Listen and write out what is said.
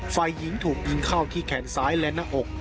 ฝ่ายหญิงถูกยิงเข้าที่แขนซ้ายและหน้าอก